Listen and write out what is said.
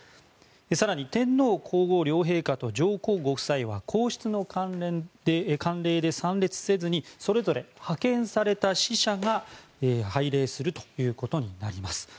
更に天皇・皇后両陛下と上皇ご夫妻は皇室の慣例で参列せずにそれぞれ派遣された使者が拝礼するということになります。